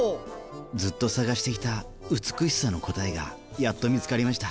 ずっと探していた美しさの答えがやっと見つかりました。